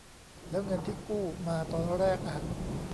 แล้วเงินที่กู้มาตอนแรกอะ ?